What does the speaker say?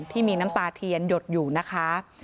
ที่มีน้ำตาเทียนหยดอยู่นะคะ